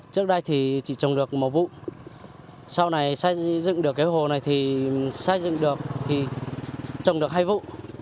trước đây thì chỉ trồng được một vụ sau này xây dựng được cái hồ này thì xây dựng được thì trồng được hai vụ